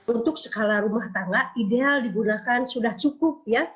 untuk skala rumah tangga ideal digunakan sudah cukup ya